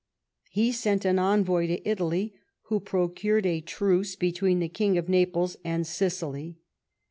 He sent, an envoy to Italy, Avho procured a truce between the Kings of Naples and Sicil}'.